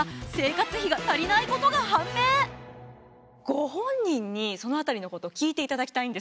ご本人にその辺りのこと聞いていただきたいんです。